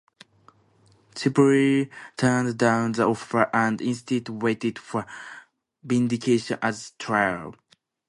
Chipley turned down the offer, and instead waited for vindication at the trial.